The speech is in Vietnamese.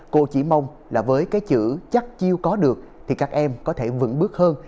cô chỉ mong là với cái chữ chắc chiêu có được thì các em có thể vững bước hơn